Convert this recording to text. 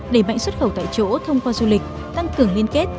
đẩy mạnh xuất khẩu tại chỗ thông qua du lịch tăng cường liên kết